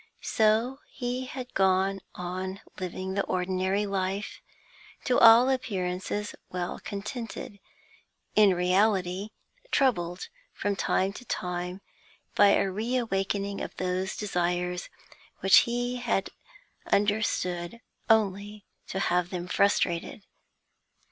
So he had gone on living the ordinary life, to all appearances well contented, in reality troubled from time to time by a reawakening of those desires which he had understood only to have them frustrated.